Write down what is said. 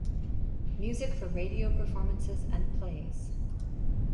Music for radio performances and plays.